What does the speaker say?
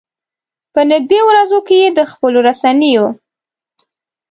په نږدې ورځو کې یې د خپلو رسنيو.